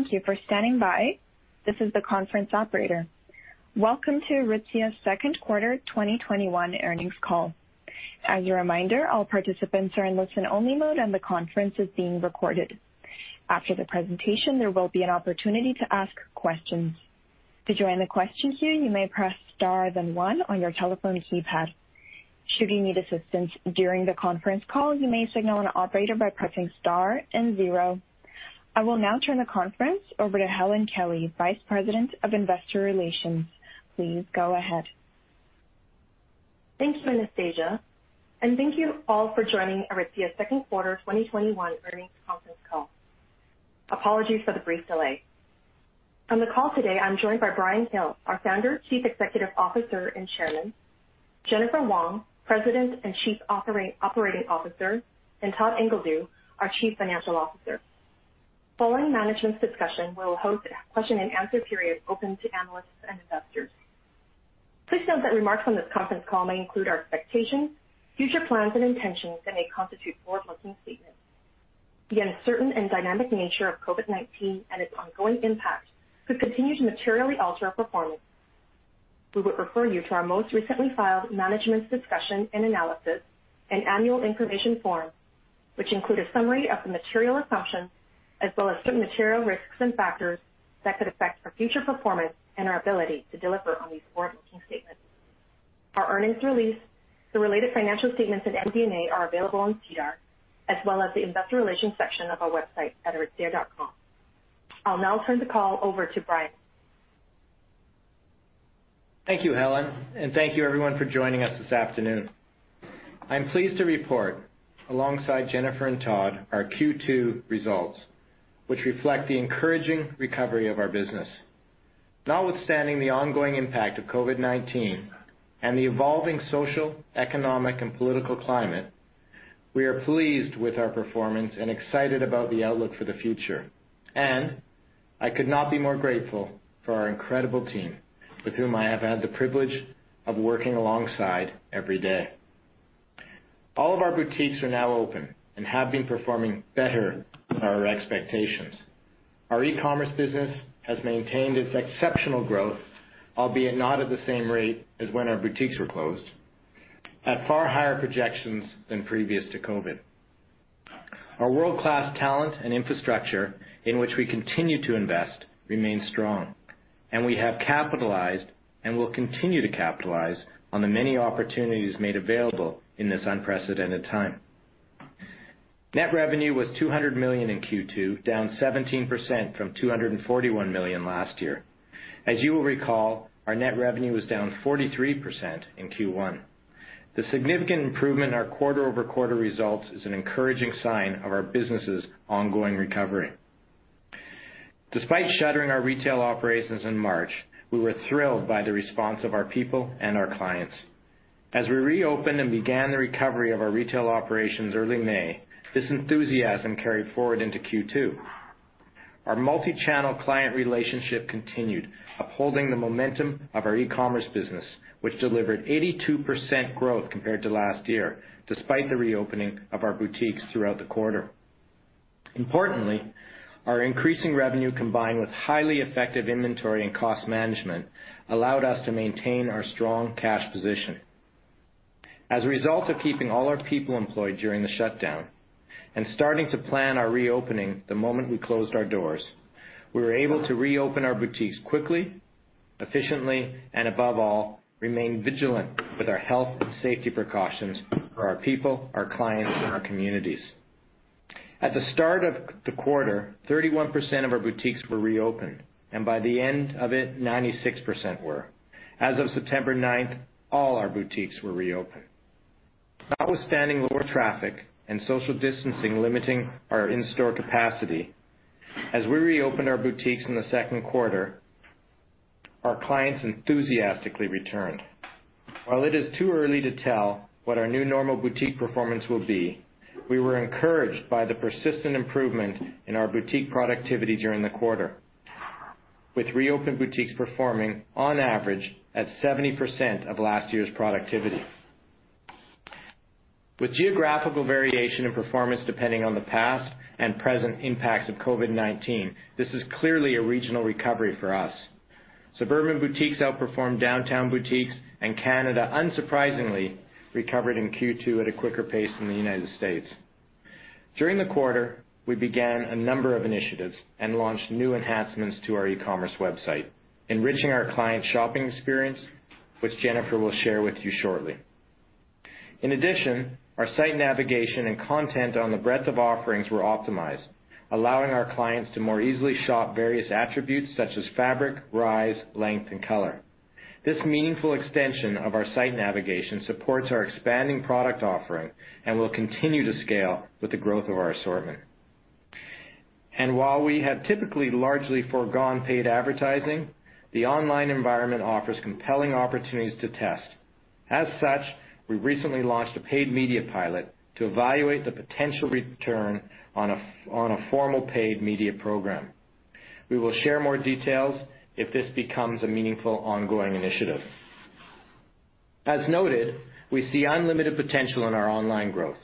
Thank you for standing by. This is the conference operator. Welcome to Aritzia's second quarter 2021 earnings call. As a reminder, all participants are in listen-only mode and the conference is being recorded. After the presentation, there will be an opportunity to ask questions. To join the question queue, you may press star then one on your telephone keypad. Should you need assistance during the conference call, you may signal an operator by pressing star and zero. I will now turn the conference over to Helen Kelly, Vice President of Investor Relations. Please go ahead. Thank you, Anastasia, thank you all for joining Aritzia's second quarter 2021 earnings conference call. Apologies for the brief delay. On the call today, I'm joined by Brian Hill, our founder, Chief Executive Officer, and Chairman, Jennifer Wong, President and Chief Operating Officer, and Todd Ingledew, our Chief Financial Officer. Following management's discussion, we'll host a question and answer period open to analysts and investors. Please note that remarks on this conference call may include our expectations, future plans and intentions that may constitute forward-looking statements. The uncertain and dynamic nature of COVID-19 and its ongoing impact could continue to materially alter our performance. We would refer you to our most recently filed management discussion and analysis and annual information form, which include a summary of the material assumptions as well as certain material risks and factors that could affect our future performance and our ability to deliver on these forward-looking statements. Our earnings release, the related financial statements and MD&A are available on SEDAR as well as the investor relations section of our website at aritzia.com. I'll now turn the call over to Brian. Thank you, Helen, thank you everyone for joining us this afternoon. I'm pleased to report, alongside Jennifer and Todd, our Q2 results, which reflect the encouraging recovery of our business. Notwithstanding the ongoing impact of COVID-19 and the evolving social, economic, and political climate, we are pleased with our performance and excited about the outlook for the future. I could not be more grateful for our incredible team with whom I have had the privilege of working alongside every day. All of our boutiques are now open and have been performing better than our expectations. Our e-commerce business has maintained its exceptional growth, albeit not at the same rate as when our boutiques were closed, at far higher projections than previous to COVID-19. Our world-class talent and infrastructure, in which we continue to invest, remains strong, and we have capitalized and will continue to capitalize on the many opportunities made available in this unprecedented time. Net revenue was 200 million in Q2, down 17% from 241 million last year. As you will recall, our net revenue was down 43% in Q1. The significant improvement in our quarter-over-quarter results is an encouraging sign of our business's ongoing recovery. Despite shuttering our retail operations in March, we were thrilled by the response of our people and our clients. As we reopened and began the recovery of our retail operations early May, this enthusiasm carried forward into Q2. Our multi-channel client relationship continued, upholding the momentum of our e-commerce business, which delivered 82% growth compared to last year, despite the reopening of our boutiques throughout the quarter. Importantly, our increasing revenue, combined with highly effective inventory and cost management, allowed us to maintain our strong cash position. As a result of keeping all our people employed during the shutdown and starting to plan our reopening the moment we closed our doors, we were able to reopen our boutiques quickly, efficiently, and above all, remain vigilant with our health and safety precautions for our people, our clients, and our communities. At the start of the quarter, 31% of our boutiques were reopened, and by the end of it, 96% were. As of September 9th, all our boutiques were reopened. Notwithstanding lower traffic and social distancing limiting our in-store capacity, as we reopened our boutiques in the second quarter, our clients enthusiastically returned. While it is too early to tell what our new normal boutique performance will be, we were encouraged by the persistent improvement in our boutique productivity during the quarter, with reopened boutiques performing on average at 70% of last year's productivity. With geographical variation in performance depending on the past and present impacts of COVID-19, this is clearly a regional recovery for us. Suburban boutiques outperformed downtown boutiques, and Canada unsurprisingly recovered in Q2 at a quicker pace than the United States. During the quarter, we began a number of initiatives and launched new enhancements to our e-commerce website, enriching our client shopping experience, which Jennifer will share with you shortly. In addition, our site navigation and content on the breadth of offerings were optimized, allowing our clients to more easily shop various attributes such as fabric, rise, length, and color. This meaningful extension of our site navigation supports our expanding product offering and will continue to scale with the growth of our assortment. While we have typically largely forgone paid advertising, the online environment offers compelling opportunities to test. As such, we recently launched a paid media pilot to evaluate the potential return on a formal paid media program. We will share more details if this becomes a meaningful ongoing initiative. As noted, we see unlimited potential in our online growth,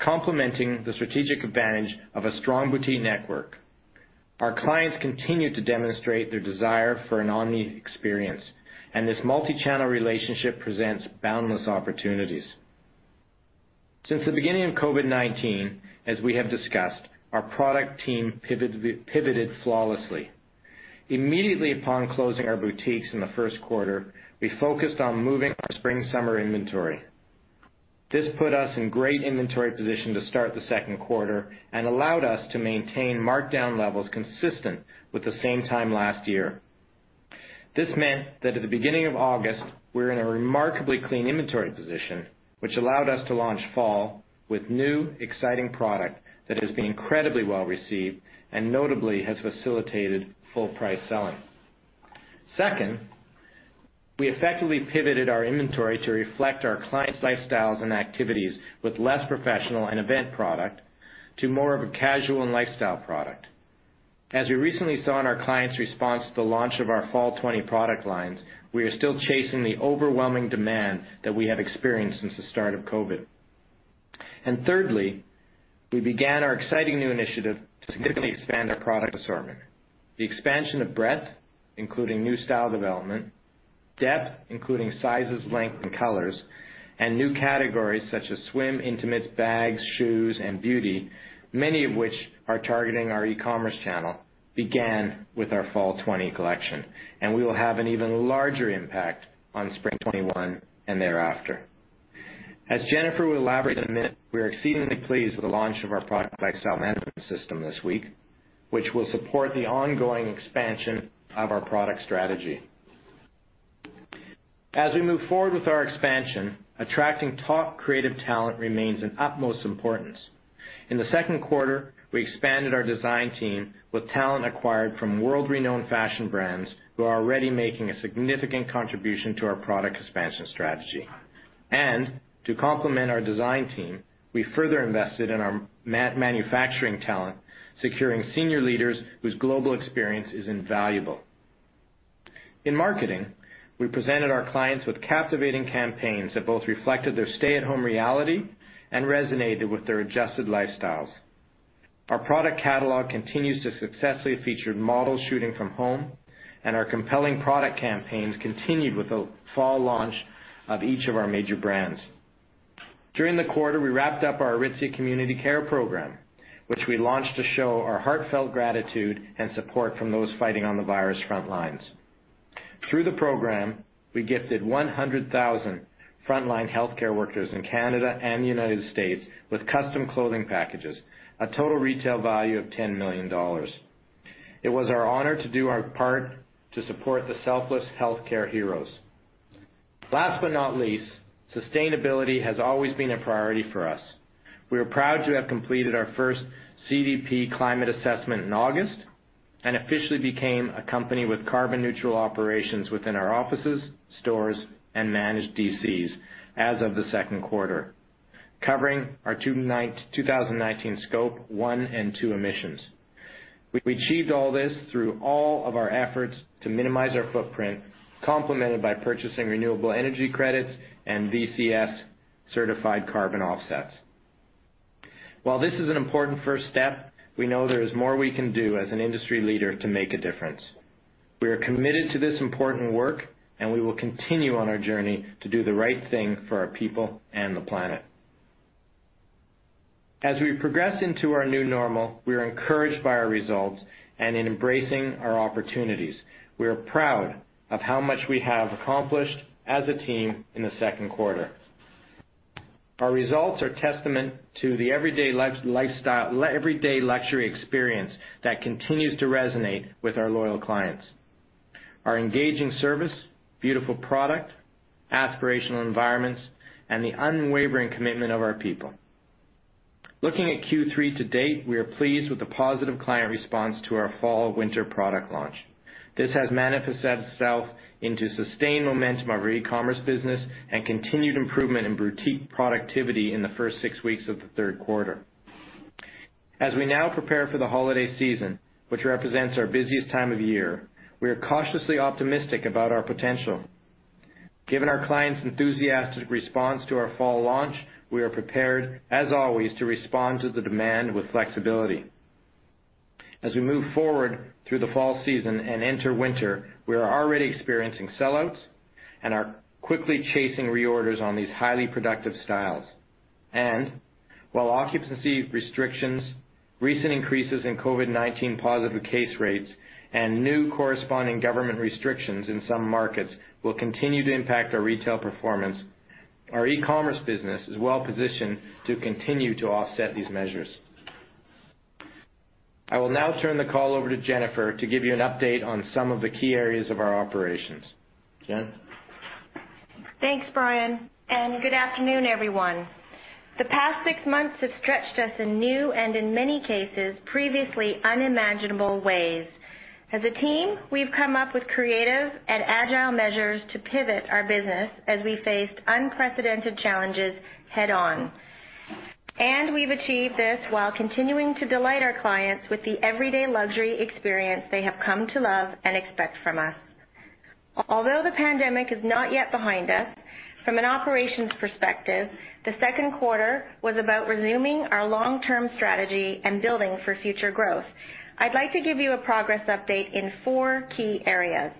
complementing the strategic advantage of a strong boutique network. Our clients continue to demonstrate their desire for an omni experience, and this multi-channel relationship presents boundless opportunities. Since the beginning of COVID-19, as we have discussed, our product team pivoted flawlessly. Immediately upon closing our boutiques in the first quarter, we focused on moving our spring-summer inventory. This put us in great inventory position to start the second quarter and allowed us to maintain markdown levels consistent with the same time last year. This meant that at the beginning of August, we were in a remarkably clean inventory position, which allowed us to launch fall with new, exciting product that has been incredibly well-received and notably has facilitated full-price selling. Second, we effectively pivoted our inventory to reflect our clients' lifestyles and activities with less professional and event product to more of a casual and lifestyle product. As we recently saw in our clients' response to the launch of our fall 2020 product lines, we are still chasing the overwhelming demand that we have experienced since the start of COVID-19. Thirdly, we began our exciting new initiative to significantly expand our product assortment. The expansion of breadth, including new style development, depth, including sizes, length, and colors, and new categories such as swim, intimates, bags, shoes, and beauty, many of which are targeting our e-commerce channel, began with our fall 2020 collection, and we will have an even larger impact on spring 2021 and thereafter. As Jennifer will elaborate in a minute, we are exceedingly pleased with the launch of our product lifecycle management system this week, which will support the ongoing expansion of our product strategy. As we move forward with our expansion, attracting top creative talent remains of utmost importance. In the second quarter, we expanded our design team with talent acquired from world-renowned fashion brands who are already making a significant contribution to our product expansion strategy. To complement our design team, we further invested in our manufacturing talent, securing senior leaders whose global experience is invaluable. In marketing, we presented our clients with captivating campaigns that both reflected their stay-at-home reality and resonated with their adjusted lifestyles. Our product catalog continues to successfully feature models shooting from home, and our compelling product campaigns continued with the fall launch of each of our major brands. During the quarter, we wrapped up our Aritzia Community Care program, which we launched to show our heartfelt gratitude and support from those fighting on the virus front lines. Through the program, we gifted 100,000 frontline healthcare workers in Canada and the United States with custom clothing packages, a total retail value of 10 million dollars. It was our honor to do our part to support the selfless healthcare heroes. Last but not least, sustainability has always been a priority for us. We are proud to have completed our first CDP climate assessment in August and officially became a company with carbon-neutral operations within our offices, stores, and managed DCs as of the second quarter, covering our 2019 scope one and two emissions. We achieved all this through all of our efforts to minimize our footprint, complemented by purchasing renewable energy credits and VCS certified carbon offsets. While this is an important first step, we know there is more we can do as an industry leader to make a difference. We are committed to this important work, and we will continue on our journey to do the right thing for our people and the planet. As we progress into our new normal, we are encouraged by our results and in embracing our opportunities. We are proud of how much we have accomplished as a team in the second quarter. Our results are testament to the everyday luxury experience that continues to resonate with our loyal clients, our engaging service, beautiful product, aspirational environments, and the unwavering commitment of our people. Looking at Q3 to date, we are pleased with the positive client response to our fall/winter product launch. This has manifested itself into sustained momentum of our e-commerce business and continued improvement in boutique productivity in the first six weeks of the third quarter. As we now prepare for the holiday season, which represents our busiest time of year, we are cautiously optimistic about our potential. Given our clients' enthusiastic response to our fall launch, we are prepared, as always, to respond to the demand with flexibility. As we move forward through the fall season and enter winter, we are already experiencing sellouts and are quickly chasing reorders on these highly productive styles. While occupancy restrictions, recent increases in COVID-19 positive case rates, and new corresponding government restrictions in some markets will continue to impact our retail performance, our e-commerce business is well-positioned to continue to offset these measures. I will now turn the call over to Jennifer to give you an update on some of the key areas of our operations. Jen? Thanks, Brian. Good afternoon, everyone. The past six months have stretched us in new and, in many cases, previously unimaginable ways. As a team, we've come up with creative and agile measures to pivot our business as we faced unprecedented challenges head-on. We've achieved this while continuing to delight our clients with the everyday luxury experience they have come to love and expect from us. Although the pandemic is not yet behind us, from an operations perspective, the second quarter was about resuming our long-term strategy and building for future growth. I'd like to give you a progress update in four key areas.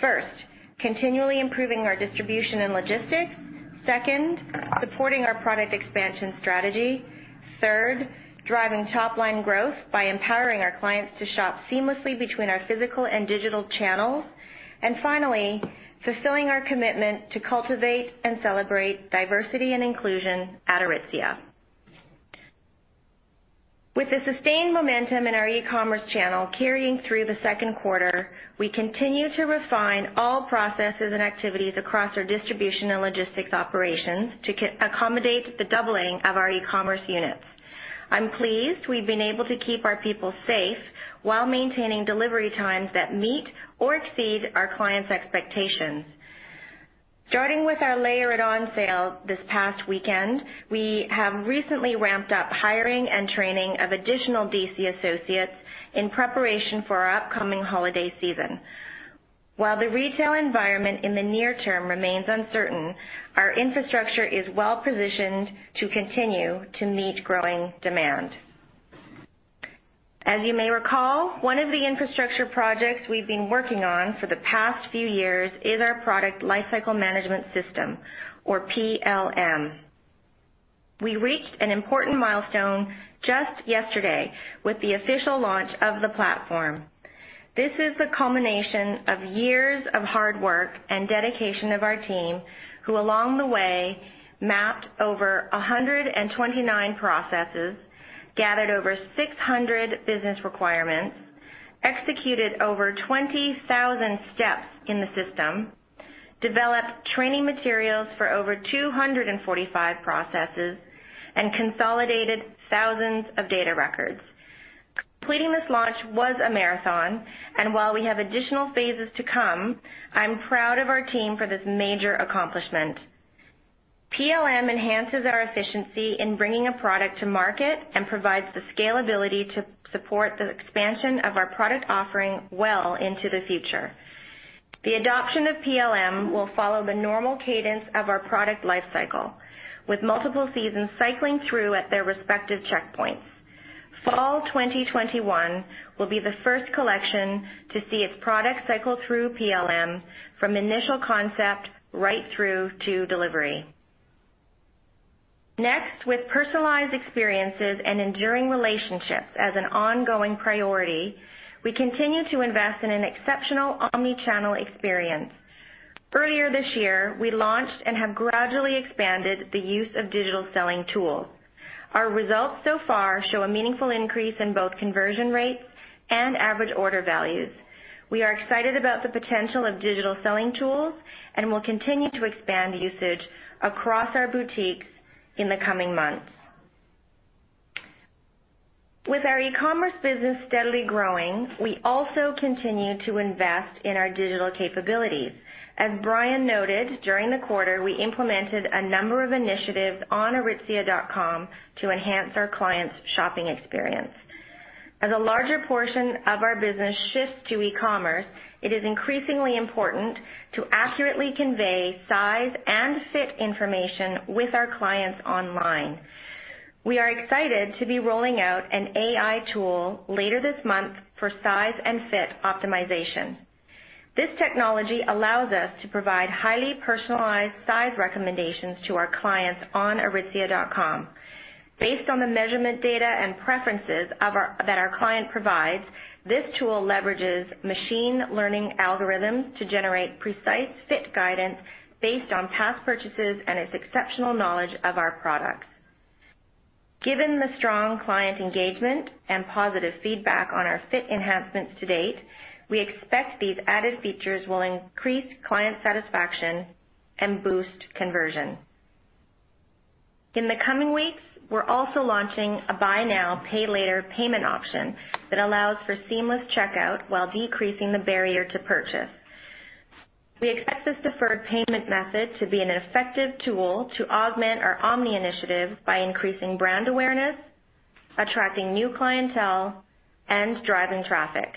First, continually improving our distribution and logistics. Second, supporting our product expansion strategy. Third, driving top-line growth by empowering our clients to shop seamlessly between our physical and digital channels. Finally, fulfilling our commitment to cultivate and celebrate diversity and inclusion at Aritzia. With the sustained momentum in our e-commerce channel carrying through the second quarter, we continue to refine all processes and activities across our distribution and logistics operations to accommodate the doubling of our e-commerce units. I'm pleased we've been able to keep our people safe while maintaining delivery times that meet or exceed our clients' expectations. Starting with our Layer It On sale this past weekend, we have recently ramped up hiring and training of additional DC associates in preparation for our upcoming holiday season. While the retail environment in the near term remains uncertain, our infrastructure is well positioned to continue to meet growing demand. As you may recall, one of the infrastructure projects we've been working on for the past few years is our product lifecycle management system, or PLM. We reached an important milestone just yesterday with the official launch of the platform. This is the culmination of years of hard work and dedication of our team, who along the way, mapped over 129 processes, gathered over 600 business requirements, executed over 20,000 steps in the system, developed training materials for over 245 processes, and consolidated thousands of data records. Completing this launch was a marathon. While we have additional phases to come, I'm proud of our team for this major accomplishment. PLM enhances our efficiency in bringing a product to market and provides the scalability to support the expansion of our product offering well into the future. The adoption of PLM will follow the normal cadence of our product lifecycle, with multiple seasons cycling through at their respective checkpoints. Fall 2021 will be the first collection to see its product cycle through PLM from initial concept right through to delivery. Next, with personalized experiences and enduring relationships as an ongoing priority, we continue to invest in an exceptional omni-channel experience. Earlier this year, we launched and have gradually expanded the use of digital selling tools. Our results so far show a meaningful increase in both conversion rates and average order values. We are excited about the potential of digital selling tools and will continue to expand usage across our boutiques in the coming months. With our e-commerce business steadily growing, we also continue to invest in our digital capabilities. As Brian noted, during the quarter, we implemented a number of initiatives on aritzia.com to enhance our clients' shopping experience. As a larger portion of our business shifts to e-commerce, it is increasingly important to accurately convey size and fit information with our clients online. We are excited to be rolling out an AI tool later this month for size and fit optimization. This technology allows us to provide highly personalized size recommendations to our clients on aritzia.com. Based on the measurement data and preferences that our client provides, this tool leverages machine learning algorithms to generate precise fit guidance based on past purchases and its exceptional knowledge of our products. Given the strong client engagement and positive feedback on our fit enhancements to date, we expect these added features will increase client satisfaction and boost conversion. In the coming weeks, we're also launching a buy now, pay later payment option that allows for seamless checkout while decreasing the barrier to purchase. We expect this deferred payment method to be an effective tool to augment our omni-initiative by increasing brand awareness, attracting new clientele, and driving traffic.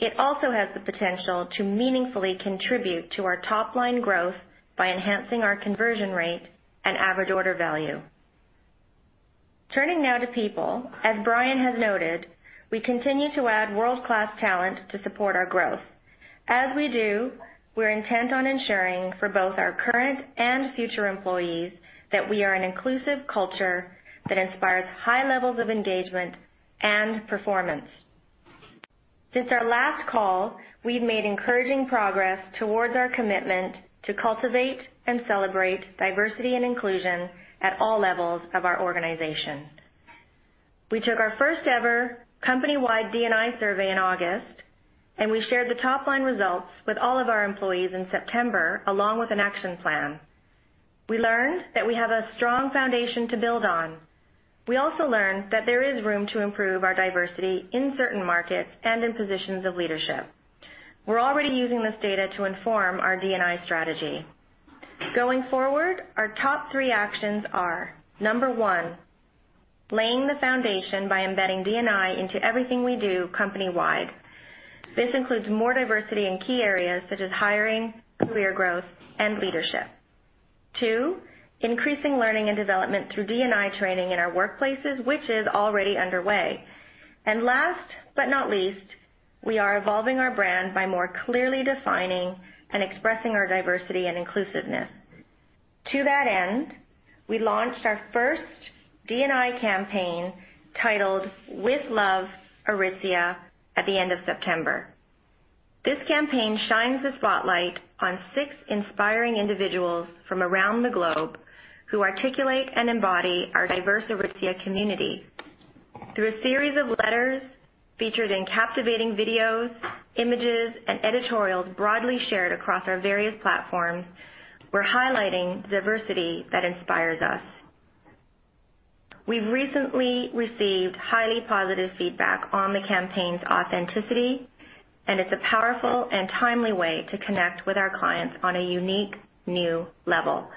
It also has the potential to meaningfully contribute to our top-line growth by enhancing our conversion rate and average order value. Turning now to people, as Brian has noted, we continue to add world-class talent to support our growth. As we do, we're intent on ensuring, for both our current and future employees, that we are an inclusive culture that inspires high levels of engagement and performance. Since our last call, we've made encouraging progress towards our commitment to cultivate and celebrate diversity and inclusion at all levels of our organization. We took our first ever company-wide D&I survey in August, and we shared the top-line results with all of our employees in September, along with an action plan. We learned that we have a strong foundation to build on. We also learned that there is room to improve our diversity in certain markets and in positions of leadership. We're already using this data to inform our D&I strategy. Going forward, our top three actions are, number one, laying the foundation by embedding D&I into everything we do company-wide. This includes more diversity in key areas such as hiring, career growth, and leadership. Two, increasing learning and development through D&I training in our workplaces, which is already underway. Last but not least, we are evolving our brand by more clearly defining and expressing our diversity and inclusiveness. To that end, we launched our first D&I campaign titled With Love, Aritzia at the end of September. This campaign shines a spotlight on six inspiring individuals from around the globe who articulate and embody our diverse Aritzia community. Through a series of letters featured in captivating videos, images, and editorials broadly shared across our various platforms, we're highlighting diversity that inspires us. We've recently received highly positive feedback on the campaign's authenticity, and it's a powerful and timely way to connect with our clients on a unique new level.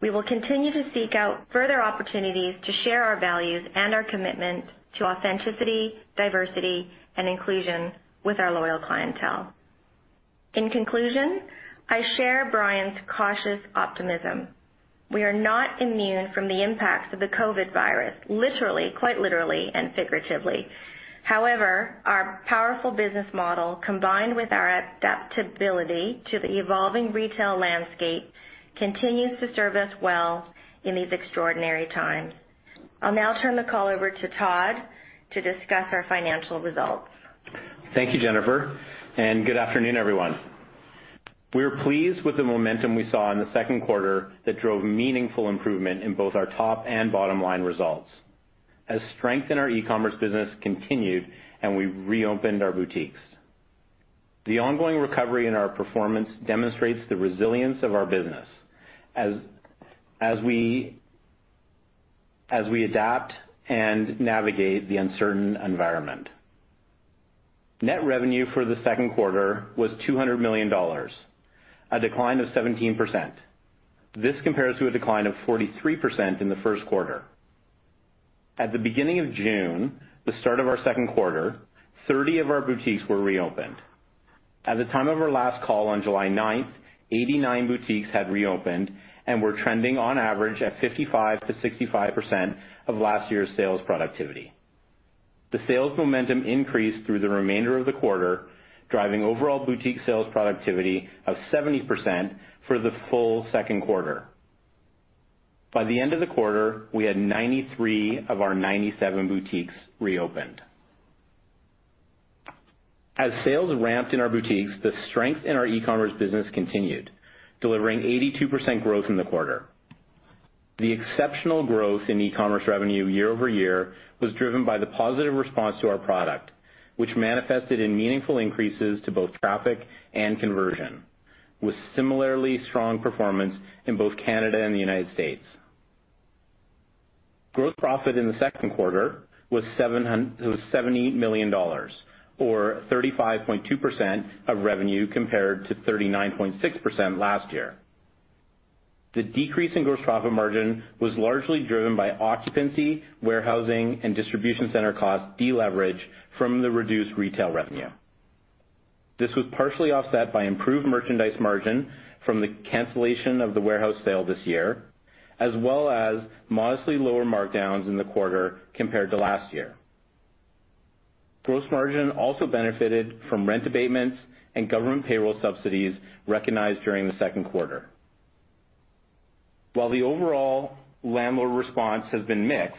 We will continue to seek out further opportunities to share our values and our commitment to authenticity, diversity, and inclusion with our loyal clientele. In conclusion, I share Brian's cautious optimism. We are not immune from the impacts of the COVID-19, literally, quite literally and figuratively. However, our powerful business model, combined with our adaptability to the evolving retail landscape, continues to serve us well in these extraordinary times. I'll now turn the call over to Todd to discuss our financial results. Thank you, Jennifer, and good afternoon, everyone. We are pleased with the momentum we saw in the second quarter that drove meaningful improvement in both our top and bottom-line results as strength in our e-commerce business continued and we reopened our boutiques. The ongoing recovery in our performance demonstrates the resilience of our business as we adapt and navigate the uncertain environment. Net revenue for the second quarter was 200 million dollars, a decline of 17%. This compares to a decline of 43% in the first quarter. At the beginning of June, the start of our second quarter, 30 of our boutiques were reopened. At the time of our last call on July 9th, 89 boutiques had reopened and were trending on average at 55%-65% of last year's sales productivity. The sales momentum increased through the remainder of the quarter, driving overall boutique sales productivity of 70% for the full second quarter. By the end of the quarter, we had 93 of our 97 boutiques reopened. As sales ramped in our boutiques, the strength in our e-commerce business continued, delivering 82% growth in the quarter. The exceptional growth in e-commerce revenue year-over-year was driven by the positive response to our product, which manifested in meaningful increases to both traffic and conversion, with similarly strong performance in both Canada and the United States. Gross profit in the second quarter was 78 million dollars, or 35.2% of revenue, compared to 39.6% last year. The decrease in gross profit margin was largely driven by occupancy, warehousing, and distribution center costs deleveraged from the reduced retail revenue. This was partially offset by improved merchandise margin from the cancellation of the warehouse sale this year, as well as modestly lower markdowns in the quarter compared to last year. Gross margin also benefited from rent abatements and government payroll subsidies recognized during the second quarter. While the overall landlord response has been mixed,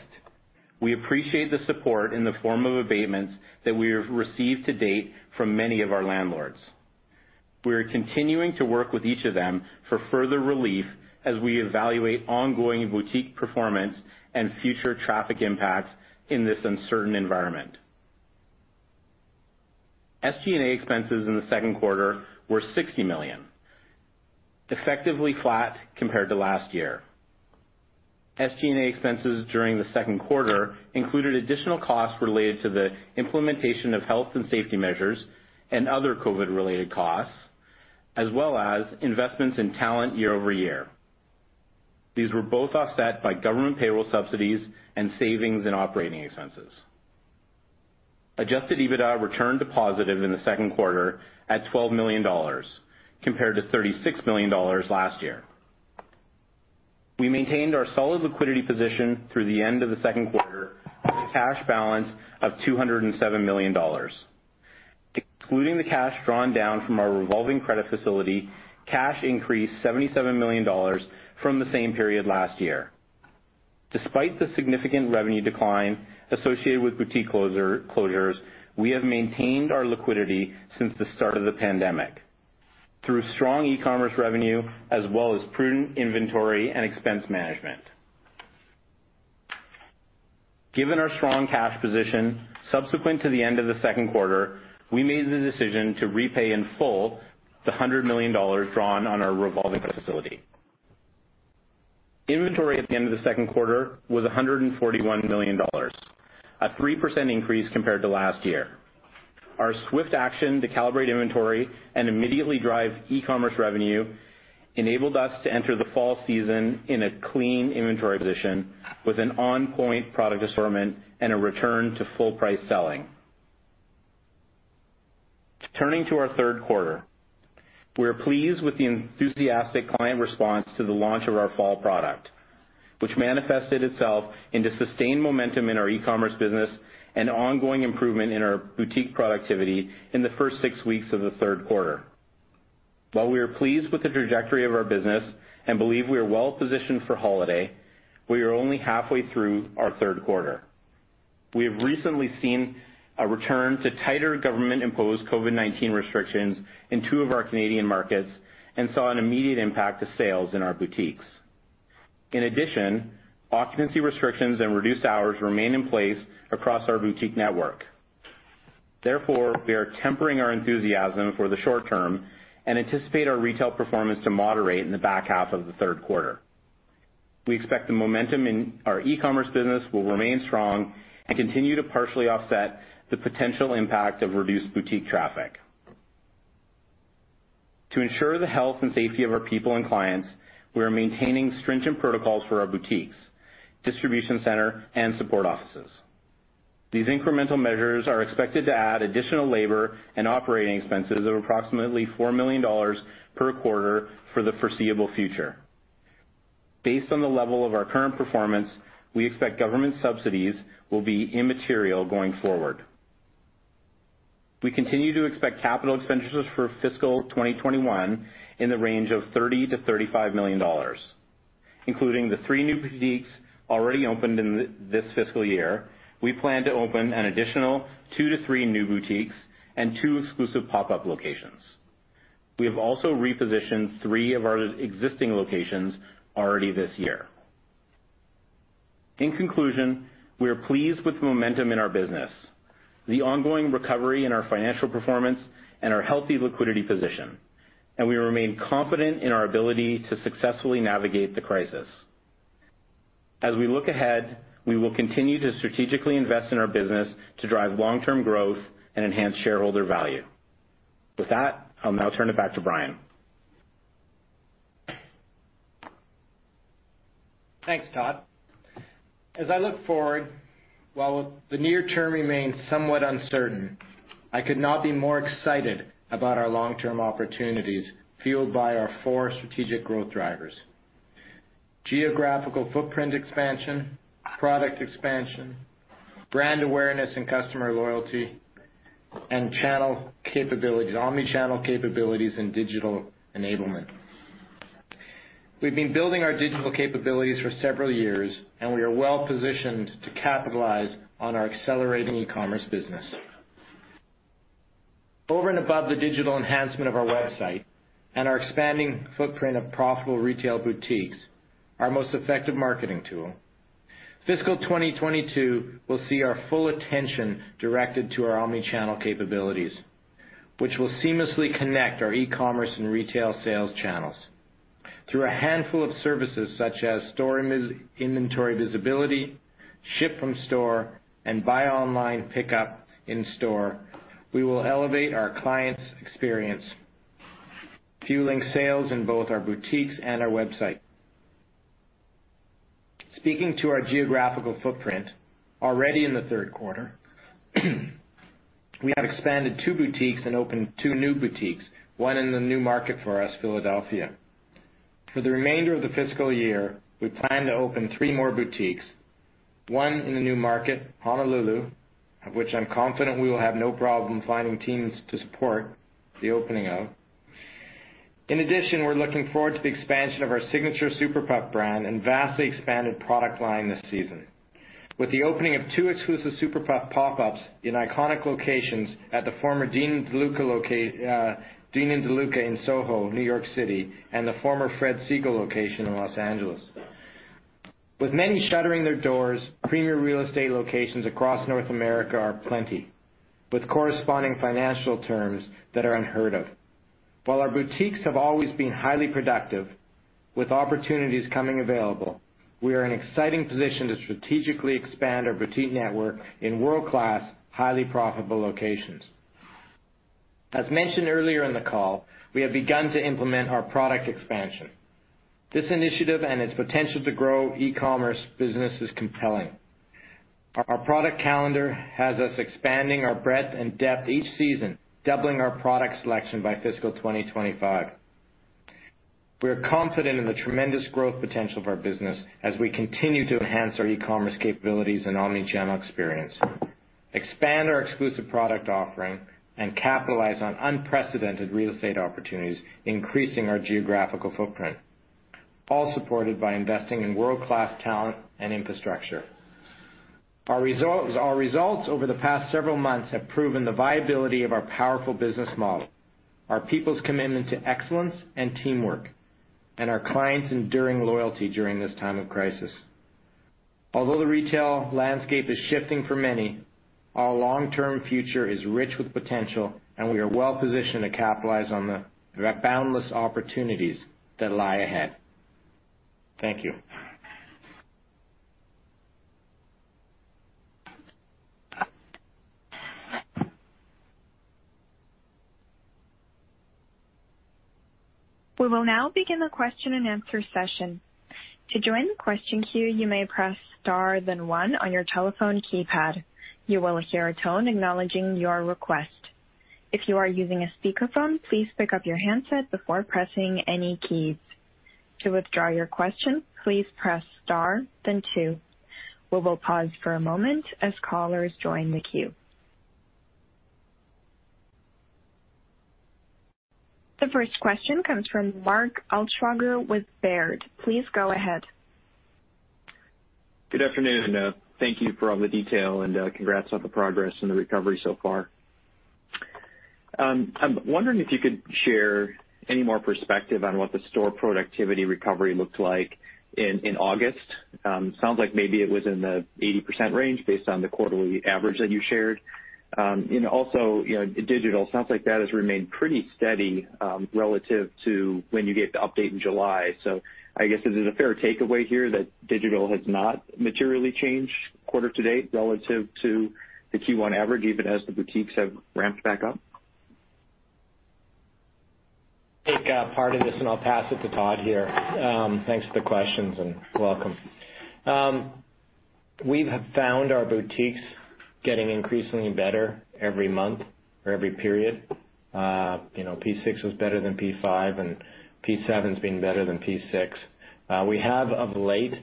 we appreciate the support in the form of abatements that we have received to date from many of our landlords. We are continuing to work with each of them for further relief as we evaluate ongoing boutique performance and future traffic impacts in this uncertain environment. SG&A expenses in the second quarter were 60 million, effectively flat compared to last year. SG&A expenses during the second quarter included additional costs related to the implementation of health and safety measures and other COVID-19-related costs, as well as investments in talent year-over-year. These were both offset by government payroll subsidies and savings in operating expenses. Adjusted EBITDA returned to positive in the second quarter at 12 million dollars, compared to 36 million dollars last year. We maintained our solid liquidity position through the end of the second quarter with a cash balance of 207 million dollars. Excluding the cash drawn down from our revolving credit facility, cash increased 77 million dollars from the same period last year. Despite the significant revenue decline associated with boutique closures, we have maintained our liquidity since the start of the pandemic through strong e-commerce revenue as well as prudent inventory and expense management. Given our strong cash position subsequent to the end of the second quarter, we made the decision to repay in full the 100 million dollars drawn on our revolving credit facility. Inventory at the end of the second quarter was 141 million dollars, a 3% increase compared to last year. Our swift action to calibrate inventory and immediately drive e-commerce revenue enabled us to enter the fall season in a clean inventory position with an on-point product assortment and a return to full price selling. Turning to our third quarter. We are pleased with the enthusiastic client response to the launch of our fall product, which manifested itself into sustained momentum in our e-commerce business and ongoing improvement in our boutique productivity in the first six weeks of the third quarter. While we are pleased with the trajectory of our business and believe we are well-positioned for holiday, we are only halfway through our third quarter. We have recently seen a return to tighter government-imposed COVID-19 restrictions in two of our Canadian markets and saw an immediate impact to sales in our boutiques. In addition, occupancy restrictions and reduced hours remain in place across our boutique network. Therefore, we are tempering our enthusiasm for the short term and anticipate our retail performance to moderate in the back half of the third quarter. We expect the momentum in our e-commerce business will remain strong and continue to partially offset the potential impact of reduced boutique traffic. To ensure the health and safety of our people and clients, we are maintaining stringent protocols for our boutiques, distribution center, and support offices. These incremental measures are expected to add additional labor and operating expenses of approximately 4 million dollars per quarter for the foreseeable future. Based on the level of our current performance, we expect government subsidies will be immaterial going forward. We continue to expect capital expenditures for fiscal 2021 in the range of 30 million-35 million dollars, including the three new boutiques already opened in this fiscal year. We plan to open an additional two to three new boutiques and two exclusive pop-up locations. We have also repositioned three of our existing locations already this year. In conclusion, we are pleased with the momentum in our business, the ongoing recovery in our financial performance, and our healthy liquidity position, and we remain confident in our ability to successfully navigate the crisis. As we look ahead, we will continue to strategically invest in our business to drive long-term growth and enhance shareholder value. With that, I'll now turn it back to Brian. Thanks, Todd. As I look forward, while the near term remains somewhat uncertain, I could not be more excited about our long-term opportunities fueled by our four strategic growth drivers: Geographical footprint expansion, product expansion, brand awareness and customer loyalty, and omnichannel capabilities and digital enablement. We've been building our digital capabilities for several years, and we are well-positioned to capitalize on our accelerating e-commerce business. Over and above the digital enhancement of our website and our expanding footprint of profitable retail boutiques, our most effective marketing tool, fiscal 2022 will see our full attention directed to our omnichannel capabilities, which will seamlessly connect our e-commerce and retail sales channels. Through a handful of services such as store inventory visibility, ship from store, and buy online, pick up in store, we will elevate our clients' experience, fueling sales in both our boutiques and our website. Speaking to our geographical footprint, already in the third quarter, we have expanded two boutiques and opened two new boutiques, one in the new market for us, Philadelphia. For the remainder of the fiscal year, we plan to open three more boutiques, one in the new market, Honolulu, of which I'm confident we will have no problem finding teams to support the opening of. In addition, we're looking forward to the expansion of our signature Super Puff brand and vastly expanded product line this season with the opening of two exclusive Super Puff pop-ups in iconic locations at the former Dean & DeLuca in SoHo, New York City, and the former Fred Segal location in Los Angeles. With many shuttering their doors, premier real estate locations across North America are plenty, with corresponding financial terms that are unheard of. While our boutiques have always been highly productive, with opportunities coming available, we are in an exciting position to strategically expand our boutique network in world-class, highly profitable locations. As mentioned earlier in the call, we have begun to implement our product expansion. This initiative and its potential to grow e-commerce business is compelling. Our product calendar has us expanding our breadth and depth each season, doubling our product selection by fiscal 2025. We are confident in the tremendous growth potential of our business as we continue to enhance our e-commerce capabilities and omnichannel experience, expand our exclusive product offering, and capitalize on unprecedented real estate opportunities, increasing our geographical footprint, all supported by investing in world-class talent and infrastructure. Our results over the past several months have proven the viability of our powerful business model, our people's commitment to excellence and teamwork, and our clients' enduring loyalty during this time of crisis. Although the retail landscape is shifting for many, our long-term future is rich with potential, and we are well positioned to capitalize on the boundless opportunities that lie ahead. Thank you. We will now begin the question and answer session. To join the question queue, you may press star then one on your telephone keypad. You will hear a tone acknowleding your request. If you are using a speakerphone, please pick up your handset before pressing any keys. To withdraw your question, please press star then two. We will pause for a moment as callers join the queue. The first question comes from Mark Altschwager with Baird. Please go ahead. Good afternoon. Thank you for all the detail and congrats on the progress and the recovery so far. I'm wondering if you could share any more perspective on what the store productivity recovery looked like in August. Sounds like maybe it was in the 80% range based on the quarterly average that you shared. Also, digital sounds like that has remained pretty steady, relative to when you gave the update in July. I guess, is it a fair takeaway here that digital has not materially changed quarter to date relative to the Q1 average, even as the boutiques have ramped back up? Take a part in this and I'll pass it to Todd here. Thanks for the questions and welcome. We have found our boutiques getting increasingly better every month or every period. P6 was better than P5, P7's been better than P6. We have of late,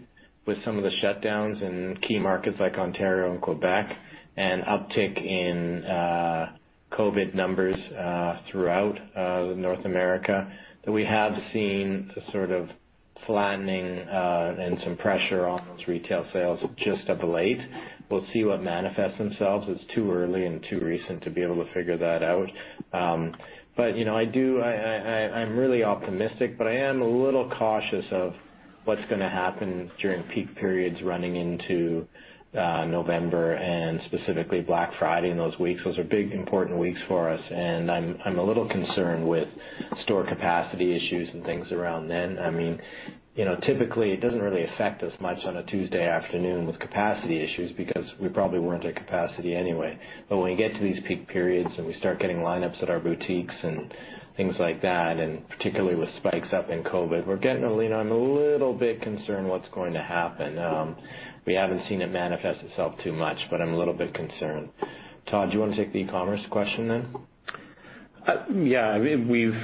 with some of the shutdowns in key markets like Ontario and Quebec, an uptick in COVID-19 numbers throughout North America, that we have seen a sort of flattening, and some pressure on those retail sales just of late. We'll see what manifests themselves. It's too early and too recent to be able to figure that out. I'm really optimistic, but I am a little cautious of what's gonna happen during peak periods running into November and specifically Black Friday and those weeks. Those are big, important weeks for us, I'm a little concerned with store capacity issues and things around then. Typically, it doesn't really affect us much on a Tuesday afternoon with capacity issues because we probably weren't at capacity anyway. When we get to these peak periods and we start getting lineups at our boutiques and things like that, and particularly with spikes up in COVID, we're getting a lean. I'm a little bit concerned what's going to happen. We haven't seen it manifest itself too much, but I'm a little bit concerned. Todd, do you want to take the e-commerce question then? Yeah. We've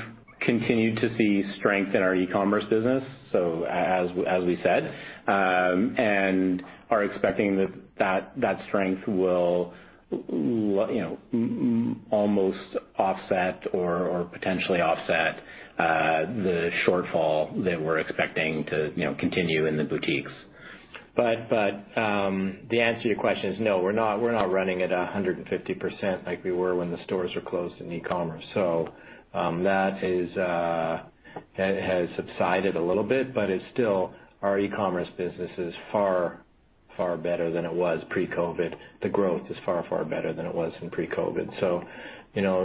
continued to see strength in our e-commerce business, so as we said, and are expecting that strength will almost offset or potentially offset the shortfall that we're expecting to continue in the boutiques. The answer to your question is no, we're not running at 150% like we were when the stores were closed in e-commerce. That has subsided a little bit, but it's still our e-commerce business is far, far better than it was pre-COVID. The growth is far, far better than it was in pre-COVID.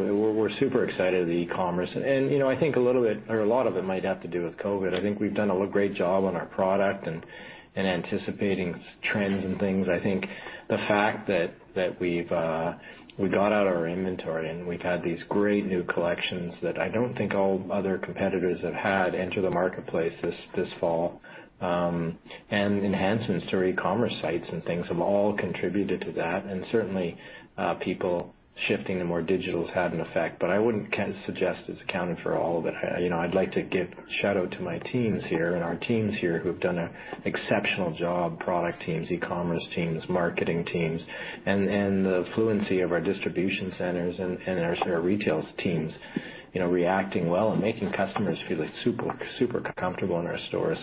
We're super excited of the e-commerce. I think a little bit or a lot of it might have to do with COVID. I think we've done a great job on our product and anticipating trends and things. I think the fact that we got out our inventory and we've had these great new collections that I don't think all other competitors have had enter the marketplace this fall. Enhancements to our e-commerce sites and things have all contributed to that, and certainly, people shifting to more digital has had an effect. I wouldn't suggest it's accounted for all of it. I'd like to give shout out to my teams here and our teams here who've done an exceptional job, product teams, e-commerce teams, marketing teams, and the fluency of our distribution centers and our store retails teams reacting well and making customers feel super comfortable in our stores.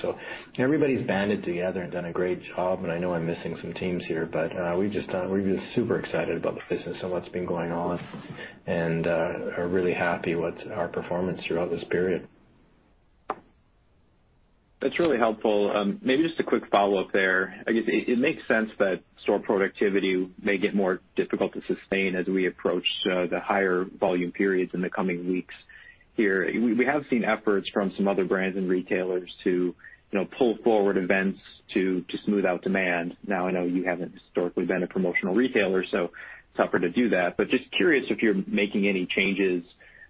Everybody's banded together and done a great job, and I know I'm missing some teams here, but we're just super excited about the business and what's been going on and are really happy with our performance throughout this period. That's really helpful. Maybe just a quick follow-up there. I guess it makes sense that store productivity may get more difficult to sustain as we approach the higher volume periods in the coming weeks here. We have seen efforts from some other brands and retailers to pull forward events to smooth out demand. I know you haven't historically been a promotional retailer, so it's tougher to do that. Just curious if you're making any changes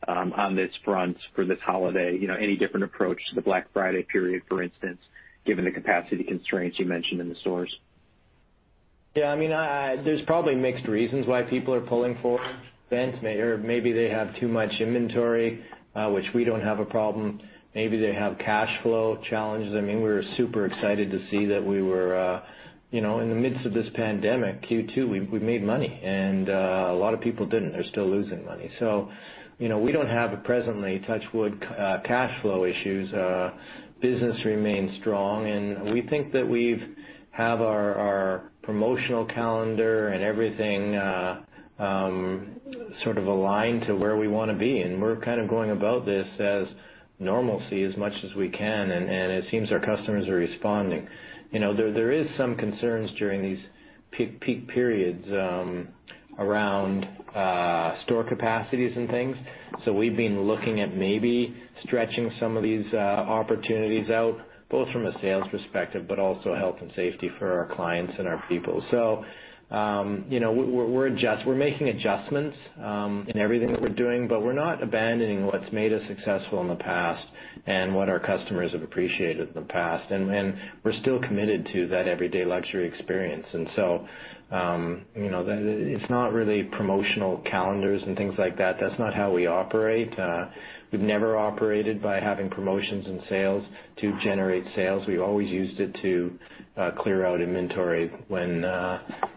on this front for this holiday, any different approach to the Black Friday period, for instance, given the capacity constraints you mentioned in the stores? Yeah. There's probably mixed reasons why people are pulling for events, or maybe they have too much inventory, which we don't have a problem. Maybe they have cash flow challenges. We're super excited to see that we were in the midst of this pandemic, Q2, we made money. A lot of people didn't. They're still losing money. We don't have presently, touch wood, cash flow issues. Business remains strong, and we think that we have our promotional calendar and everything sort of aligned to where we want to be, and we're kind of going about this as normalcy as much as we can, and it seems our customers are responding. There is some concerns during these peak periods around store capacities and things. We've been looking at maybe stretching some of these opportunities out, both from a sales perspective, but also health and safety for our clients and our people. We're making adjustments in everything that we're doing, but we're not abandoning what's made us successful in the past and what our customers have appreciated in the past. We're still committed to that everyday luxury experience. It's not really promotional calendars and things like that. That's not how we operate. We've never operated by having promotions and sales to generate sales. We've always used it to clear out inventory when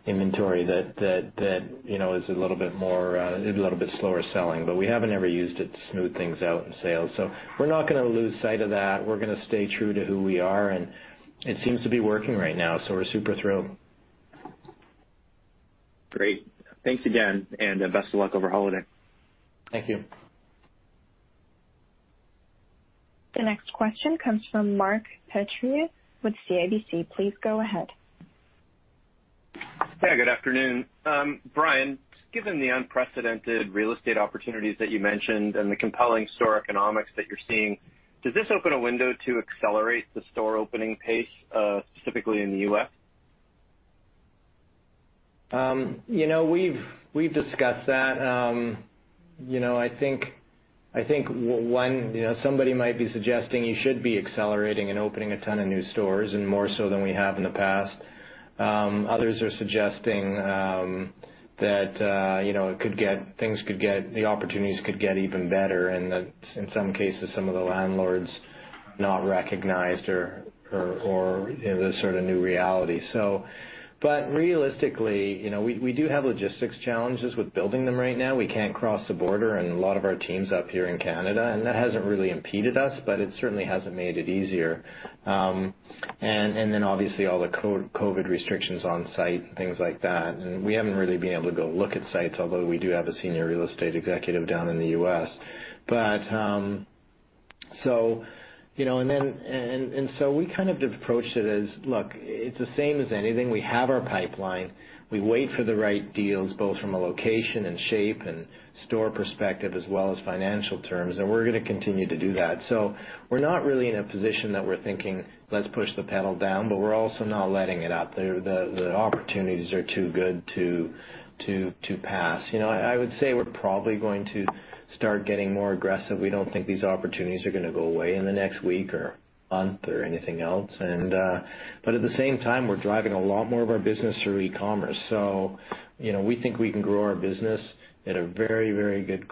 inventory that is a little bit slower selling. But we haven't ever used it to smooth things out in sales. We're not going to lose sight of that. We're going to stay true to who we are, and it seems to be working right now, so we're super thrilled. Great. Thanks again, and best of luck over holiday. Thank you. The next question comes from Mark Petrie with CIBC. Please go ahead. Yeah, good afternoon. Brian, given the unprecedented real estate opportunities that you mentioned and the compelling store economics that you're seeing, does this open a window to accelerate the store opening pace, specifically in the U.S.? We've discussed that. I think somebody might be suggesting you should be accelerating and opening a ton of new stores and more so than we have in the past. Others are suggesting that the opportunities could get even better, and in some cases, some of the landlords not recognized or the sort of new reality. Realistically, we do have logistics challenges with building them right now. We can't cross the border and a lot of our team's up here in Canada, and that hasn't really impeded us, but it certainly hasn't made it easier. Obviously all the COVID restrictions on site and things like that. We haven't really been able to go look at sites, although we do have a senior real estate executive down in the U.S. We kind of approached it as, look, it's the same as anything. We have our pipeline. We wait for the right deals, both from a location and shape and store perspective, as well as financial terms, and we're going to continue to do that. We're not really in a position that we're thinking, "Let's push the pedal down." But we're also not letting it up. The opportunities are too good to pass. I would say we're probably going to start getting more aggressive. We don't think these opportunities are going to go away in the next week or month or anything else. At the same time, we're driving a lot more of our business through e-commerce. We think we can grow our business at a very good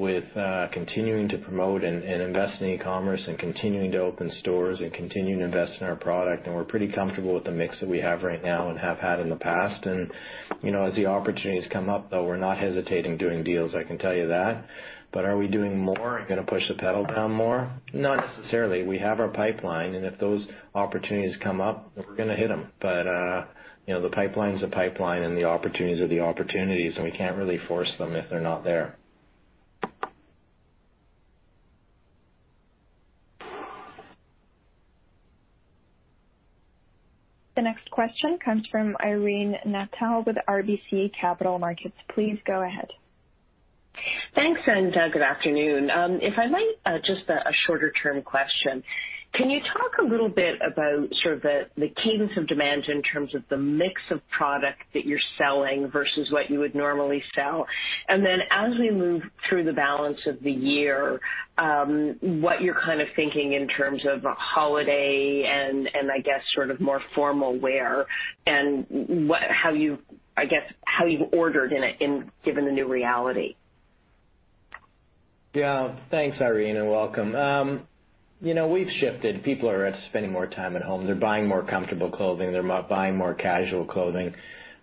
clip with continuing to promote and invest in e-commerce and continuing to open stores and continuing to invest in our product. We're pretty comfortable with the mix that we have right now and have had in the past. As the opportunities come up, though, we're not hesitating doing deals, I can tell you that. Are we doing more and going to push the pedal down more? Not necessarily. We have our pipeline, and if those opportunities come up, we're going to hit them. The pipeline's a pipeline, and the opportunities are the opportunities, and we can't really force them if they're not there. The next question comes from Irene Nattel with RBC Capital Markets. Please go ahead. Thanks, and good afternoon. If I might, just a shorter-term question. Can you talk a little bit about sort of the cadence of demands in terms of the mix of product that you're selling versus what you would normally sell? As we move through the balance of the year, what you're thinking in terms of holiday and I guess sort of more formal wear and how you've ordered given the new reality. Yeah. Thanks, Irene, and welcome. We've shifted. People are spending more time at home. They're buying more comfortable clothing. They're buying more casual clothing.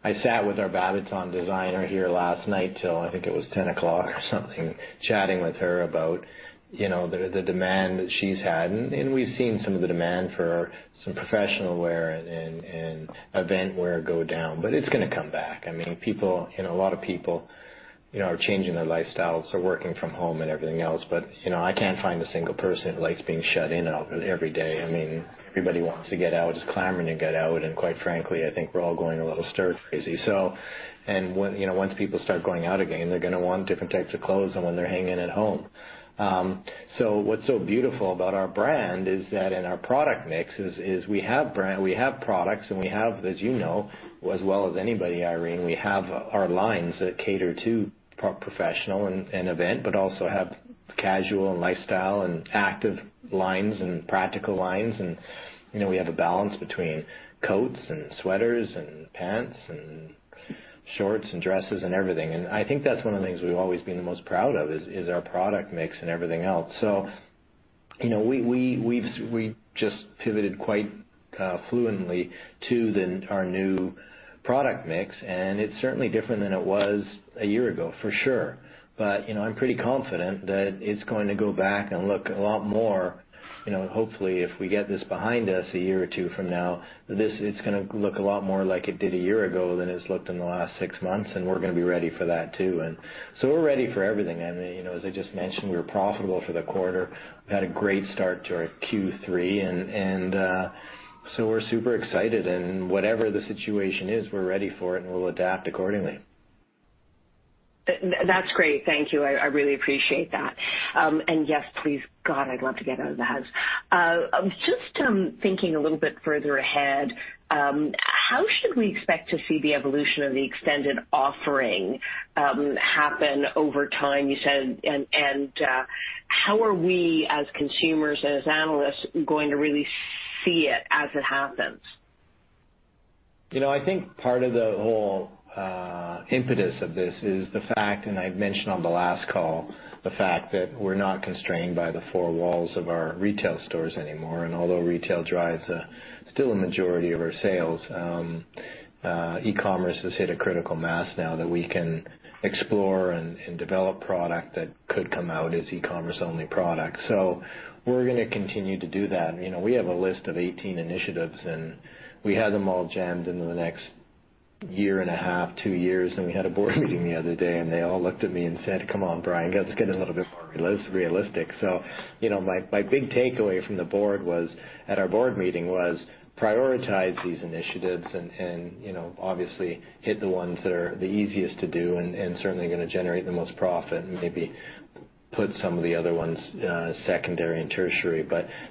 I sat with our Babaton designer here last night till, I think it was 10:00 PM or something, chatting with her about the demand that she's had. We've seen some of the demand for some professional wear and event wear go down, but it's going to come back. A lot of people are changing their lifestyles or working from home and everything else, but I can't find a single person who likes being shut in every day. Everybody wants to get out, is clamoring to get out, and quite frankly, I think we're all going a little stir crazy. Once people start going out again, they're going to want different types of clothes than when they're hanging at home. What's so beautiful about our brand is that in our product mix is we have products, and we have, as you know as well as anybody, Irene, we have our lines that cater to professional and event but also have casual and lifestyle and active lines and practical lines. We have a balance between coats and sweaters and pants and shorts and dresses and everything. I think that's one of the things we've always been the most proud of, is our product mix and everything else. We just pivoted quite fluently to our new product mix, and it's certainly different than it was a year ago, for sure. I'm pretty confident that it's going to go back and look a lot more, hopefully, if we get this behind us a year or two from now, it's going to look a lot more like it did a year ago than it's looked in the last 6 months, and we're going to be ready for that too. We're ready for everything. As I just mentioned, we were profitable for the quarter. We had a great start to our Q3, and so we're super excited, and whatever the situation is, we're ready for it, and we'll adapt accordingly. That's great. Thank you. I really appreciate that. Yes, please, God, I'd love to get out of the house. Just thinking a little bit further ahead, how should we expect to see the evolution of the extended offering happen over time, you said, and how are we as consumers and as analysts going to really see it as it happens? I think part of the whole impetus of this is the fact, and I mentioned on the last call, the fact that we're not constrained by the four walls of our retail stores anymore. Although retail drives still a majority of our sales, e-commerce has hit a critical mass now that we can explore and develop product that could come out as e-commerce only product. We're going to continue to do that. We have a list of 18 initiatives, and we had them all jammed into the next year and a half, two years. We had a board meeting the other day, and they all looked at me and said, "Come on, Brian, let's get a little bit more realistic." My big takeaway at our board meeting was prioritize these initiatives and obviously hit the ones that are the easiest to do and certainly going to generate the most profit and maybe put some of the other ones secondary and tertiary.